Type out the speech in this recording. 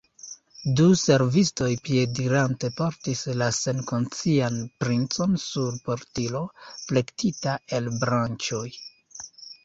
Du servistoj piedirante portis la senkonscian princon sur portilo, plektita el branĉoj.